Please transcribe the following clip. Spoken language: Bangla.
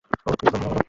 ওহ, ভালো!